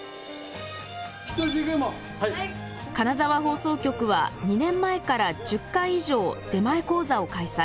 金沢放送局は２年前から１０回以上出前講座を開催。